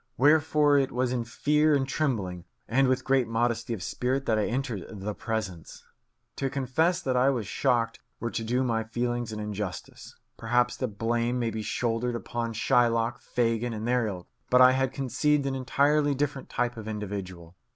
Wherefore it was in fear and trembling, and with great modesty of spirit, that I entered the Presence. To confess that I was shocked were to do my feelings an injustice. Perhaps the blame may be shouldered upon Shylock, Fagin, and their ilk; but I had conceived an entirely different type of individual.